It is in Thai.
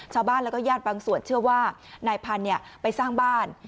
ชาวบ้านแล้วก็ญาติบางส่วนเชื่อว่านายพันธุ์ไปสร้างบ้าน